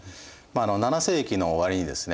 ７世紀の終わりにですね